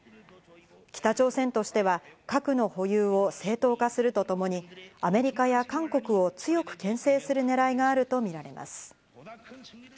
北朝鮮としては核の保有を正当化するとともに、アメリカや韓国を強くけん制する狙いがあるとみられます。